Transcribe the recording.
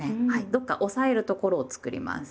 どっか押さえるところを作ります。